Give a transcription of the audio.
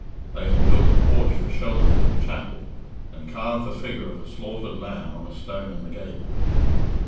They had built a porch for shelter to the chapel, and carved the figure of a slaughtered lamb on a stone in the gable.